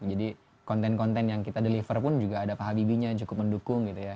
jadi konten konten yang kita deliver pun juga ada pak habibie nya cukup mendukung gitu ya